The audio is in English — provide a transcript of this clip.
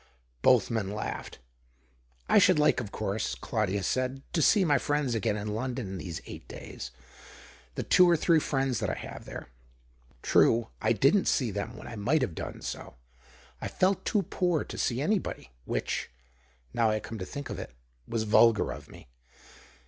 Both men laughed. "I should like, of course," Claudius said, '' to see my friends again in London in these eight days — the two or three friends that I have there. True, I didn't see them when I might have done so ; I felt too poor to see anybody, which — now I come to think of it — was vulgar of me.